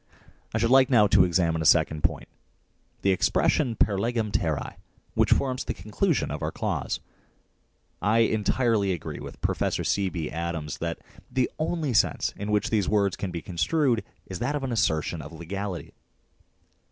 1 I should like now to examine a second point the expression " Per Legem Terrae " which forms the conclusion of our clause. I entirely agree with Prof. C. B. Adams that the only sense in which these words can be construed is that of an assertion of legality.